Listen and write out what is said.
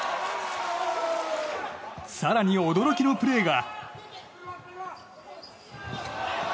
更に、驚きのプレーが。